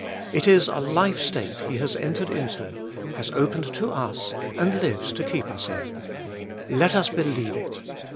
It is a life state He has entered into, has opened to us, and lives to keep us in. Let us believe it.